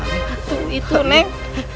itu itu neng